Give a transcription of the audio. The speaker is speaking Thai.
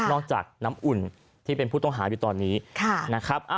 จากน้ำอุ่นที่เป็นผู้ต้องหาอยู่ตอนนี้นะครับ